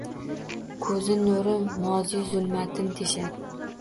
Ko’zin nuri moziy zulmatin teshar.